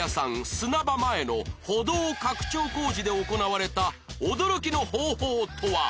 砂場前の歩道拡張工事で行われた驚きの方法とは？